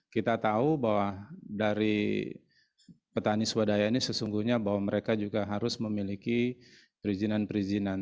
kita tahu bahwa dari petani swadaya ini sesungguhnya bahwa mereka juga harus memiliki perizinan perizinan